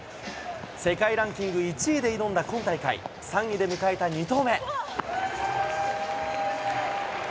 世界ランキング１位で挑んだ今大会、３位で迎えた２投目。